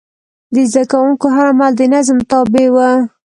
د زده کوونکو هر عمل د نظم تابع و.